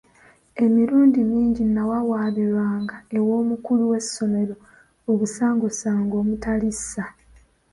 Emirundi mingi nnawawaabirwanga ew'omukulu w'essomero obusangosango omutali nsa.